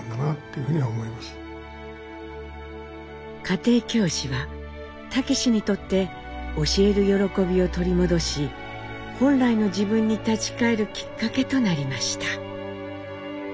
家庭教師は武にとって教える喜びを取り戻し本来の自分に立ち返るきっかけとなりました。